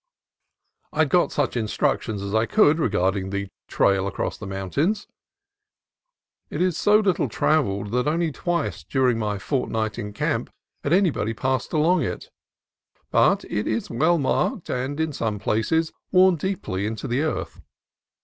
I had got such instructions as I could regarding the trail across the mountains. It is so little travelled that only twice during my fortnight in camp had anybody passed along it: but it is well marked, and in some places worn deeply into the earth.